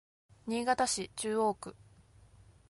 新潟市中央区